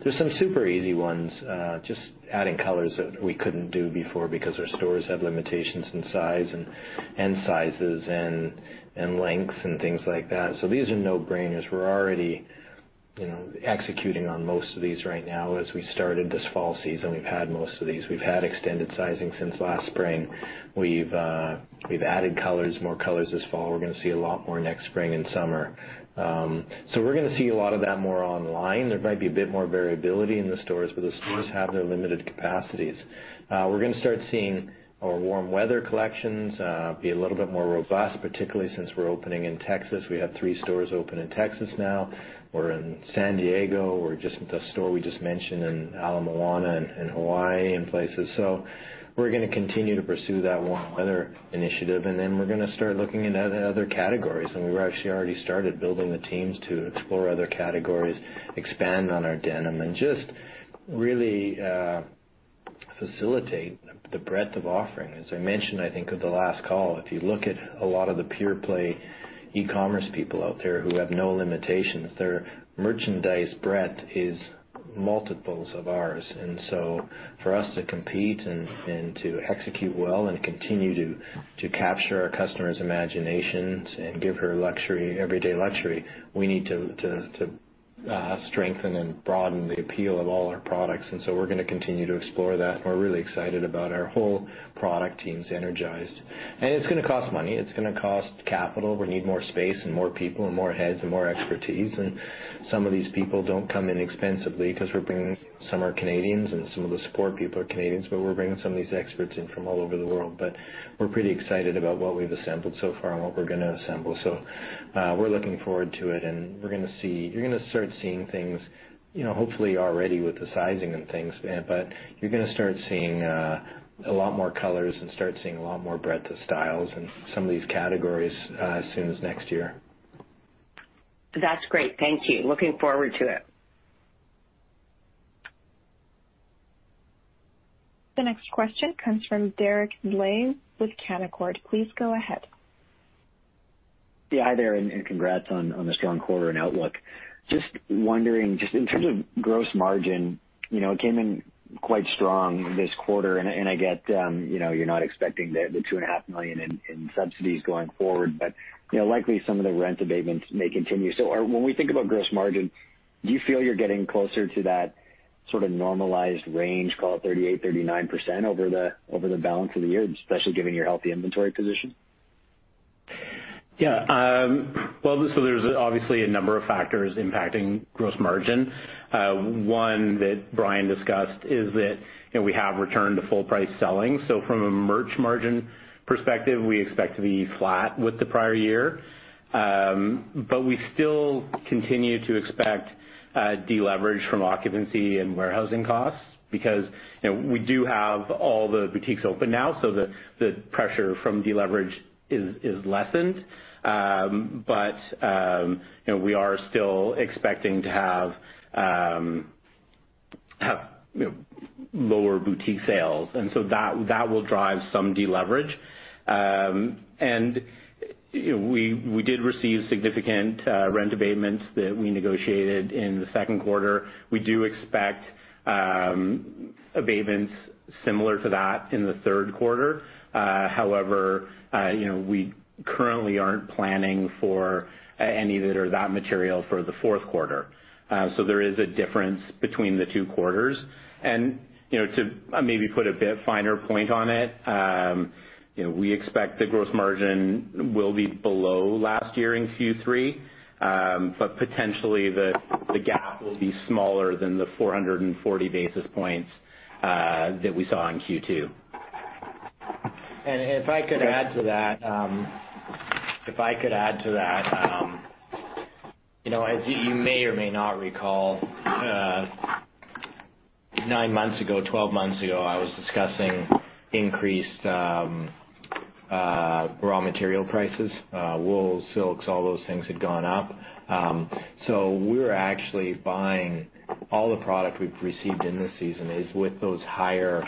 There's some super easy ones just adding colors that we couldn't do before because our stores have limitations in size and sizes and length and things like that. These are no-brainers. We're already executing on most of these right now as we started this fall season. We've had most of these. We've had extended sizing since last spring. We've added more colors this fall. We're going to see a lot more next spring and summer. We're going to see a lot of that more online. There might be a bit more variability in the stores, but the stores have their limited capacities. We're going to start seeing our warm weather collections be a little bit more robust, particularly since we're opening in Texas. We have three stores open in Texas now. We're in San Diego. We're just at the store we just mentioned in Ala Moana in Hawaii and places. We're going to continue to pursue that warm weather initiative. We're going to start looking at other categories. We actually already started building the teams to explore other categories, expand on our denim, and just really facilitate the breadth of offering. As I mentioned, I think at the last call, if you look at a lot of the pure play e-commerce people out there who have no limitations, their merchandise breadth is multiples of ours. For us to compete and to execute well and continue to capture our customers' imaginations and give her everyday luxury, we need to strengthen and broaden the appeal of all our products. We're going to continue to explore that, and we're really excited about our whole product teams energized. It's going to cost money. It's going to cost capital. We need more space and more people and more heads and more expertise. Some of these people don't come inexpensively because some are Canadians and some of the support people are Canadians, but we're bringing some of these experts in from all over the world. We're pretty excited about what we've assembled so far and what we're going to assemble. We're looking forward to it, and you're going to start seeing things, hopefully already with the sizing and things, but you're going to start seeing a lot more colors and start seeing a lot more breadth of styles in some of these categories as soon as next year. That's great. Thank you. Looking forward to it. The next question comes from Derek Dley with Canaccord. Please go ahead. Yeah, hi there, and congrats on the strong quarter and outlook. Just wondering, just in terms of gross margin, it came in quite strong this quarter, and I get you're not expecting the 2.5 million in subsidies going forward, but likely some of the rent abatements may continue. When we think about gross margin, do you feel you're getting closer to that sort of normalized range, call it 38%, 39%, over the balance of the year, especially given your healthy inventory position? Yeah. Well, there's obviously a number of factors impacting gross margin. One that Brian discussed is that we have returned to full price selling. From a merch margin perspective, we expect to be flat with the prior year. We still continue to expect deleverage from occupancy and warehousing costs because we do have all the boutiques open now, so the pressure from deleverage is lessened. We are still expecting to have lower boutique sales. That will drive some deleverage. We did receive significant rent abatements that we negotiated in the second quarter. We do expect abatements similar to that in the third quarter. However, we currently aren't planning for any that are that material for the fourth quarter. There is a difference between the two quarters. To maybe put a bit finer point on it, we expect the gross margin will be below last year in Q3. Potentially, the gap will be smaller than the 440 basis points that we saw in Q2. If I could add to that. As you may or may not recall, nine months ago, 12 months ago, I was discussing increased raw material prices. Wool, silks, all those things had gone up. We're actually buying all the product we've received in this season is with those higher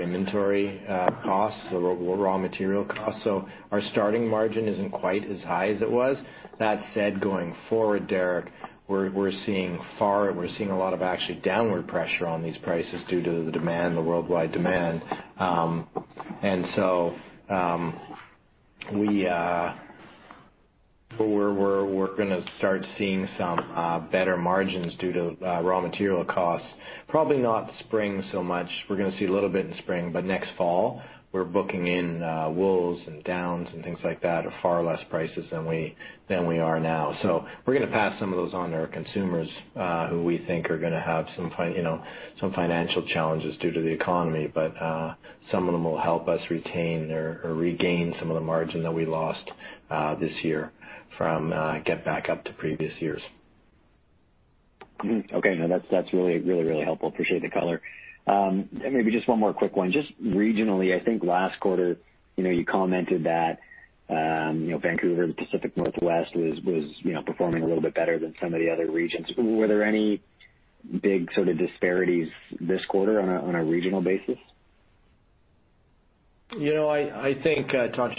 inventory costs or raw material costs. Our starting margin isn't quite as high as it was. That said, going forward, Derek, we're seeing a lot of actually downward pressure on these prices due to the worldwide demand. We're gonna start seeing some better margins due to raw material costs. Probably not spring so much. We're gonna see a little bit in spring, but next fall, we're booking in wools and downs and things like that at far less prices than we are now. We're gonna pass some of those on to our consumers, who we think are gonna have some financial challenges due to the economy. Some of them will help us retain or regain some of the margin that we lost this year from get back up to previous years. Okay. No, that's really helpful. Appreciate the color. Maybe just one more quick one. Just regionally, I think last quarter, you commented that Vancouver and Pacific Northwest was performing a little bit better than some of the other regions. Were there any big sort of disparities this quarter on a regional basis? I think, Todd,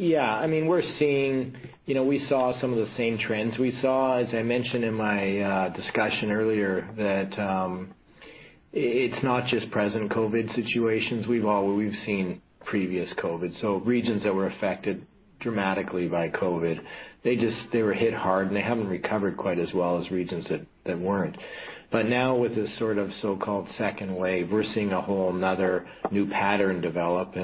should I take it? I'll take it. Sure. Yeah. We saw some of the same trends we saw, as I mentioned in my discussion earlier, that it's not just present COVID situations. We've seen previous COVID. Regions that were affected dramatically by COVID, they were hit hard, and they haven't recovered quite as well as regions that weren't. Now with this sort of so-called second wave, we're seeing a whole another new pattern develop.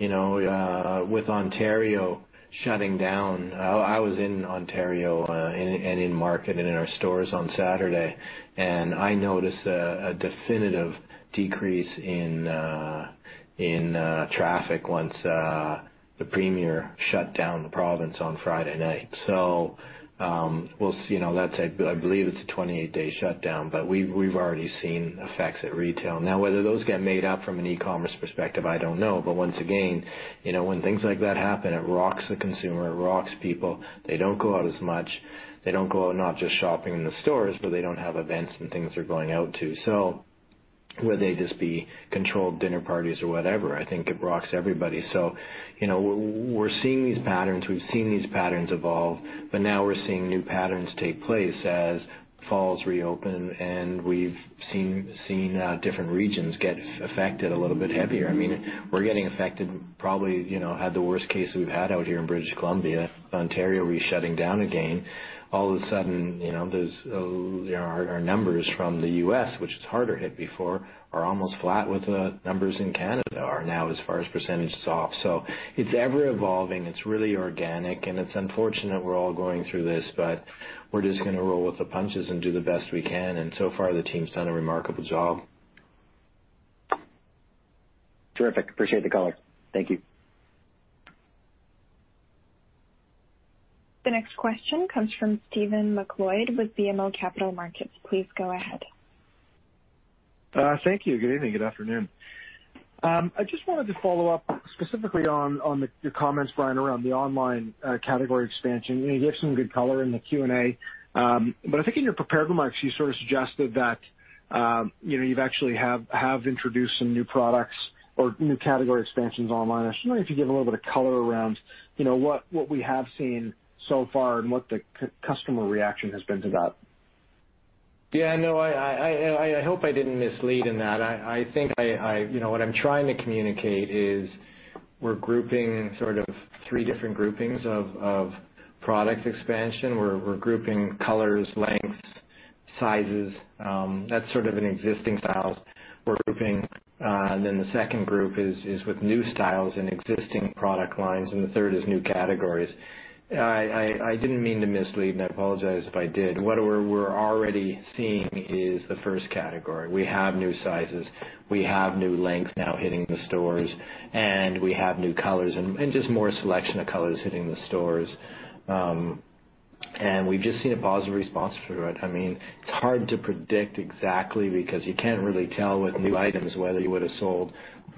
With Ontario shutting down, I was in Ontario and in market and in our stores on Saturday, and I noticed a definitive decrease in traffic once the premier shut down the province on Friday night. We'll see. I believe it's a 28-day shutdown, but we've already seen effects at retail. Whether those get made up from an e-commerce perspective, I don't know. Once again, when things like that happen, it rocks the consumer, it rocks people. They don't go out as much. They don't go out not just shopping in the stores, but they don't have events and things they're going out to. Whether they just be controlled dinner parties or whatever, I think it rocks everybody. We're seeing these patterns. We've seen these patterns evolve, but now we're seeing new patterns take place as malls reopen, and we've seen different regions get affected a little bit heavier. We're getting affected, probably had the worst case we've had out here in British Columbia. Ontario will be shutting down again. Our numbers from the U.S., which was harder hit before, are almost flat with the numbers in Canada are now as far as percentage is off. It's ever evolving. It's really organic, and it's unfortunate we're all going through this, but we're just gonna roll with the punches and do the best we can. So far, the team's done a remarkable job. Terrific. Appreciate the color. Thank you. The next question comes from Stephen MacLeod with BMO Capital Markets. Please go ahead. Thank you. Good evening. Good afternoon. I just wanted to follow up specifically on your comments, Brian, around the online category expansion. You gave some good color in the Q&A. I think in your prepared remarks, you sort of suggested that you actually have introduced some new products or new category expansions online. I just wonder if you could give a little of color around what we have seen so far and what the customer reaction has been to that. Yeah. No, I hope I didn't mislead in that. I think what I'm trying to communicate is we're grouping in sort of three different groupings of product expansion. We're grouping colors, lengths, sizes. That's sort of in existing styles we're grouping. The second group is with new styles and existing product lines, and the third is new categories. I didn't mean to mislead, and I apologize if I did. What we're already seeing is the first category. We have new sizes, we have new lengths now hitting the stores, and we have new colors and just more selection of colors hitting the stores. We've just seen a positive response to it. It's hard to predict exactly because you can't really tell with new items whether you would've sold,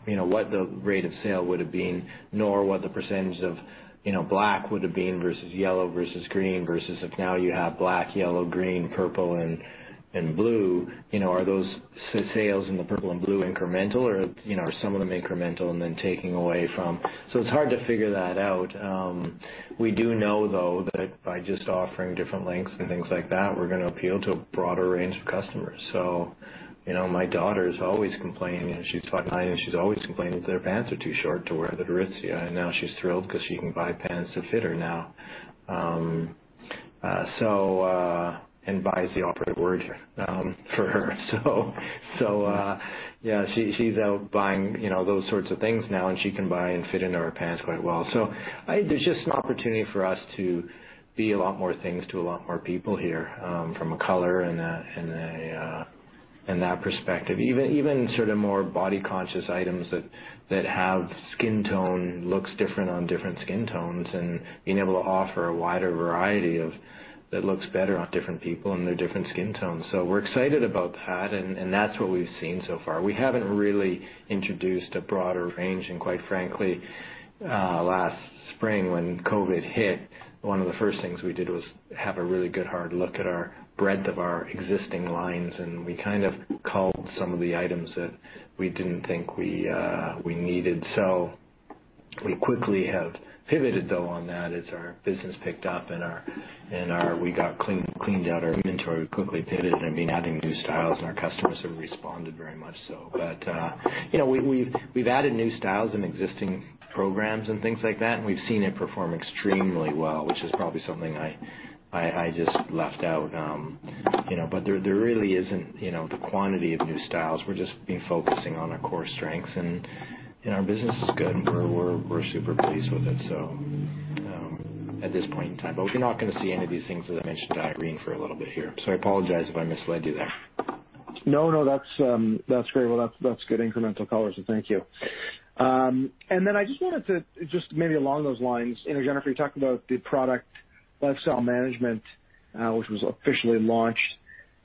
what the rate of sale would've been, nor what the percentage of black would've been versus yellow versus green versus if now you have black, yellow, green, purple, and blue. Are those sales in the purple and blue incremental, or are some of them incremental and then taking away from? It's hard to figure that out. We do know, though, that by just offering different lengths and things like that, we're going to appeal to a broader range of customers. My daughter's always complaining. She's five nine, and she's always complaining that her pants are too short to wear at Aritzia, and now she's thrilled because she can buy pants that fit her now. Buy is the operative word here for her. Yeah, she's out buying those sorts of things now, and she can buy and fit into her pants quite well. I think there's just an opportunity for us to be a lot more things to a lot more people here, from a color and that perspective. Even sort of more body conscious items that have skin tone looks different on different skin tones, and being able to offer a wider variety that looks better on different people and their different skin tones. We're excited about that, and that's what we've seen so far. We haven't really introduced a broader range, and quite frankly, last spring, when COVID hit, one of the first things we did was have a really good, hard look at our breadth of our existing lines, and we kind of culled some of the items that we didn't think we needed. We quickly have pivoted, though, on that as our business picked up and we cleaned out our inventory. We quickly pivoted and been adding new styles, and our customers have responded very much so. We've added new styles and existing programs and things like that, and we've seen it perform extremely well, which is probably something I just left out. There really isn't the quantity of new styles. We're just been focusing on our core strengths, and our business is good, and we're super pleased with it at this point in time. You're not going to see any of these things that I mentioned to Irene for a little bit here, so I apologize if I misled you there. No, that's great. Well, that's good incremental color, so thank you. I just wanted to, just maybe along those lines, Jennifer, you talked about the product lifecycle management, which was officially launched.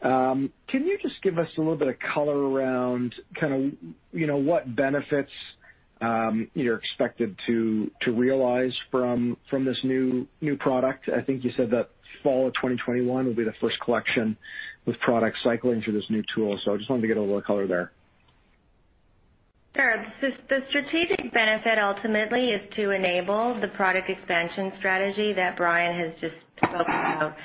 Can you just give us a little bit of color around what benefits you're expected to realize from this new product? I think you said that fall of 2021 will be the first collection with product cycling through this new tool, so I just wanted to get a little color there. Sure. The strategic benefit ultimately is to enable the product expansion strategy that Brian has just spoken about.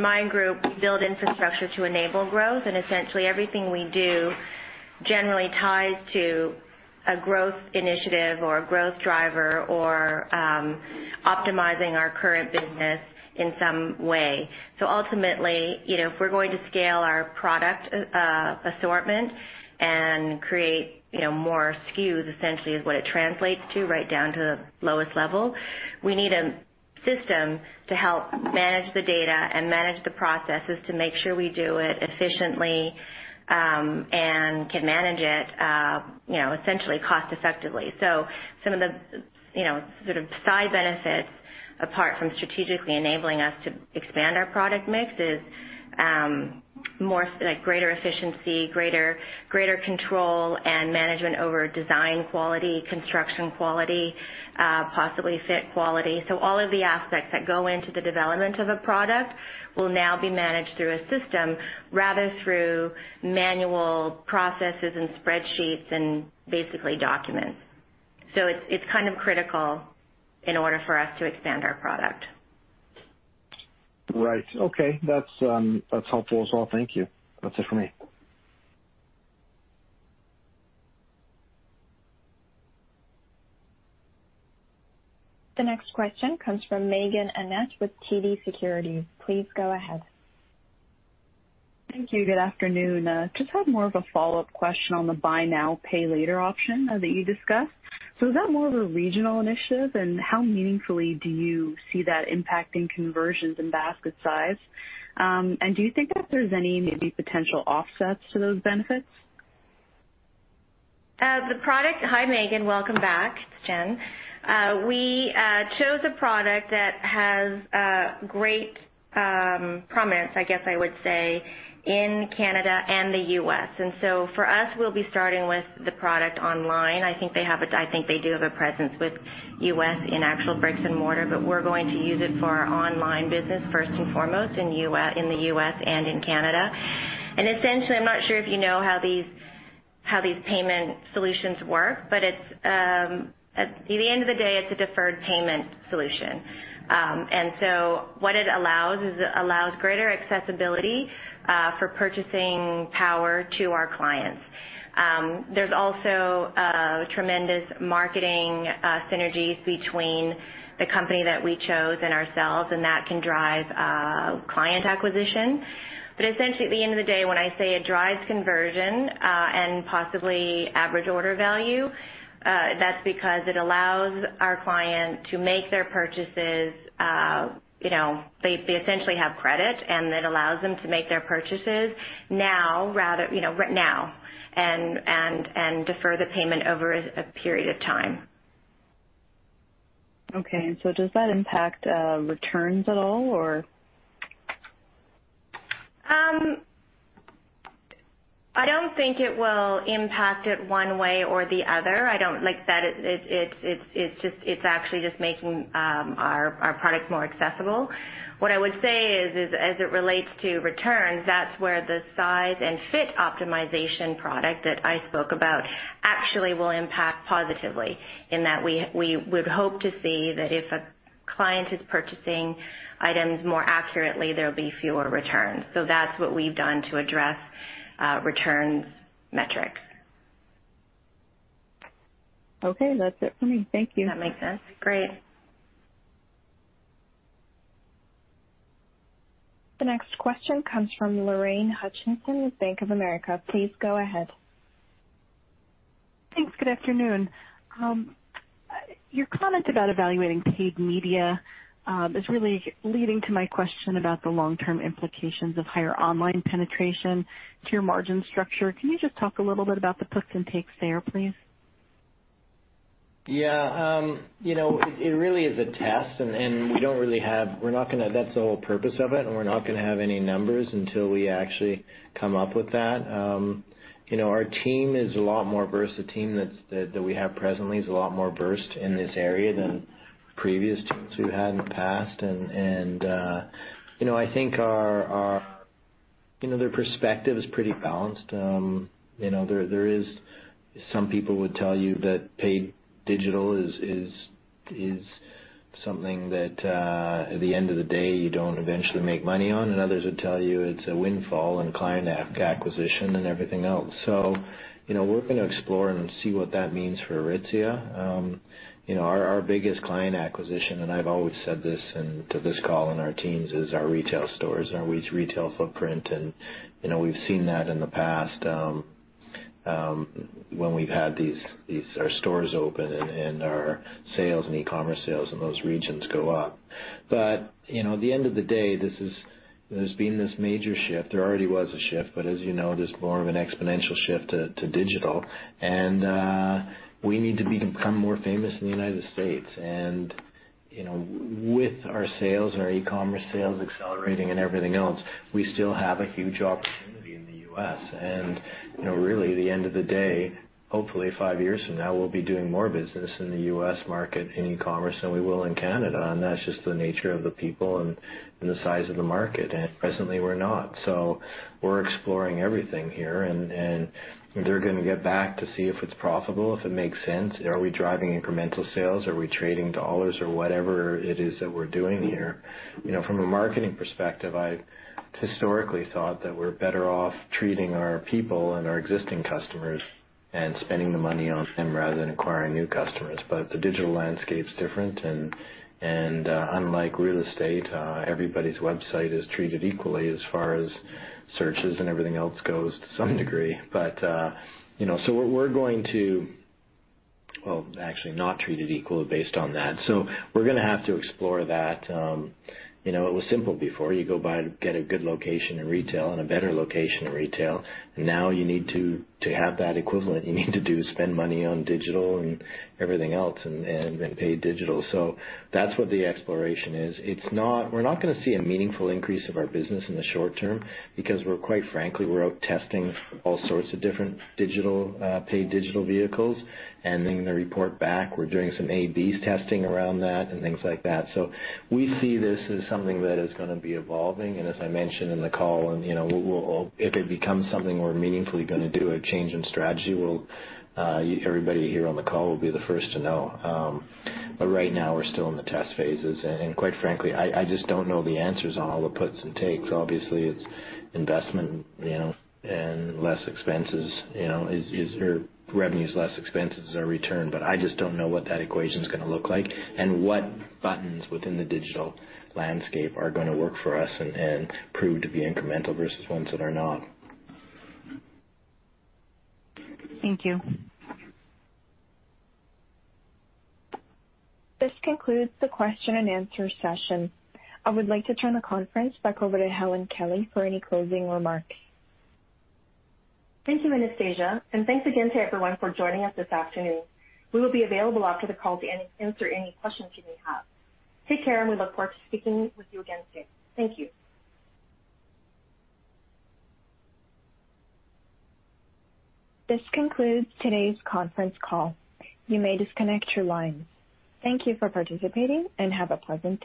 My group build infrastructure to enable growth, and essentially everything we do generally ties to a growth initiative or a growth driver or optimizing our current business in some way. Ultimately, if we're going to scale our product assortment and create more SKUs, essentially, is what it translates to, right down to the lowest level. We need a system to help manage the data and manage the processes to make sure we do it efficiently, and can manage it essentially cost effectively. Some of the sort of side benefits, apart from strategically enabling us to expand our product mix, is more greater efficiency, greater control and management over design quality, construction quality, possibly fit quality. All of the aspects that go into the development of a product will now be managed through a system rather through manual processes and spreadsheets and basically documents. It's kind of critical in order for us to expand our product. Right. Okay. That's helpful as well. Thank you. That's it for me. The next question comes from Meaghen Annett with TD Securities. Please go ahead. Thank you. Good afternoon. Just had more of a follow-up question on the buy now, pay later option that you discussed. Is that more of a regional initiative, and how meaningfully do you see that impacting conversions and basket size? Do you think that there's any maybe potential offsets to those benefits? Hi, Meaghen. Welcome back. It's Jen. We chose a product that has great prominence, I guess I would say, in Canada and the U.S. For us, we'll be starting with the product online. I think they do have a presence with U.S. in actual bricks and mortar, we're going to use it for our online business first and foremost in the U.S. and in Canada. Essentially, I'm not sure if you know how these payment solutions work, at the end of the day, it's a deferred payment solution. What it allows is it allows greater accessibility for purchasing power to our clients. There's also tremendous marketing synergies between the company that we chose and ourselves, that can drive client acquisition. Essentially, at the end of the day, when I say it drives conversion and possibly average order value, that's because it allows our client to make their purchases. They essentially have credit, and it allows them to make their purchases now and defer the payment over a period of time. Okay. Does that impact returns at all, or? I don't think it will impact it one way or the other. It's actually just making our products more accessible. What I would say is, as it relates to returns, that's where the size and fit optimization product that I spoke about actually will impact positively, in that we would hope to see that if a client is purchasing items more accurately, there'll be fewer returns. That's what we've done to address returns metrics. Okay. That's it for me. Thank you. Does that make sense? Great. The next question comes from Lorraine Hutchinson with Bank of America. Please go ahead. Thanks. Good afternoon. Your comment about evaluating paid media is really leading to my question about the long-term implications of higher online penetration to your margin structure. Can you just talk a little bit about the puts and takes there, please? It really is a test, and that's the whole purpose of it, and we're not going to have any numbers until we actually come up with that. Our team is a lot more versed. The team that we have presently is a lot more versed in this area than previous teams we've had in the past. I think their perspective is pretty balanced. Some people would tell you that paid digital is something that, at the end of the day, you don't eventually make money on, and others would tell you it's a windfall in client acquisition and everything else. We're going to explore and see what that means for Aritzia. Our biggest client acquisition, and I've always said this to this call and our teams, is our retail stores and our retail footprint. We've seen that in the past, when we've had our stores open and our sales and e-commerce sales in those regions go up. At the end of the day, there's been this major shift. There already was a shift, but as you know, there's more of an exponential shift to digital, and we need to become more famous in the United States. With our sales and our e-commerce sales accelerating and everything else, we still have a huge opportunity in the U.S. Really, at the end of the day, hopefully five years from now, we'll be doing more business in the U.S. market in e-commerce than we will in Canada, and that's just the nature of the people and the size of the market. Presently, we're not. We're exploring everything here, and they're going to get back to see if it's profitable, if it makes sense. Are we driving incremental sales? Are we trading dollars or whatever it is that we're doing here? From a marketing perspective, I've historically thought that we're better off treating our people and our existing customers and spending the money on them rather than acquiring new customers. The digital landscape's different, and unlike real estate, everybody's website is treated equally as far as searches and everything else goes to some degree. Actually not treated equal based on that. We're going to have to explore that. It was simple before. You go by and get a good location in retail and a better location in retail. You need to have that equivalent. You need to spend money on digital and everything else and pay digital. That's what the exploration is. We're not going to see a meaningful increase of our business in the short term because, quite frankly, we're out testing all sorts of different paid digital vehicles and then they report back. We're doing some A/B testing around that and things like that. We see this as something that is going to be evolving, and as I mentioned in the call, if it becomes something we're meaningfully going to do, a change in strategy, everybody here on the call will be the first to know. Right now, we're still in the test phases, and quite frankly, I just don't know the answers on all the puts and takes. Obviously, it's investment and less expenses. Is your revenues less expenses or return? I just don't know what that equation's going to look like and what buttons within the digital landscape are going to work for us and prove to be incremental versus ones that are not. Thank you. This concludes the question and answer session. I would like to turn the conference back over to Helen Kelly for any closing remarks. Thank you, Anastasia. Thanks again to everyone for joining us this afternoon. We will be available after the call to answer any questions you may have. Take care. We look forward to speaking with you again soon. Thank you. This concludes today's conference call. You may disconnect your lines. Thank you for participating and have a pleasant day.